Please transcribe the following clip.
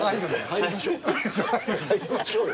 入りましょうよ。